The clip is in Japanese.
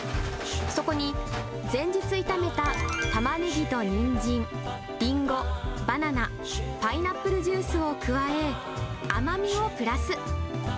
そこに前日炒めたタマネギとニンジン、リンゴ、バナナ、パイナップルジュースを加え、甘みをプラス。